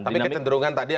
tapi kecenderungan tadi ada